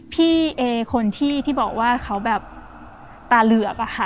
พี่เอคนที่บอกว่าเขาแบบตาเหลือกอะค่ะ